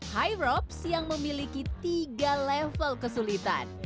high robs yang memiliki tiga level kesulitan